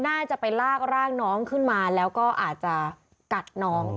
น่าจะไปลากร่างน้องขึ้นมาแล้วก็อาจจะกัดน้อง